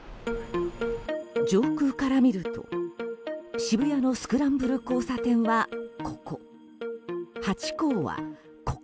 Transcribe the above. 上空から見ると、渋谷のスクランブル交差点はここ。